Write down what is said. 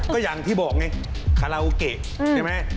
ก็อย่างที่บอกไงคาราโอเกะใช่ไหม